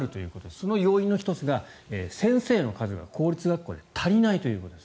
その要因の１つが、先生の数が公立学校で足りないということです。